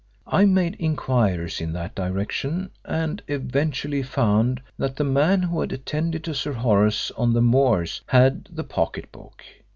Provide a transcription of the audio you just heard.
I made inquiries in that direction and eventually found that the man who had attended to Sir Horace on the moors had the pocket book.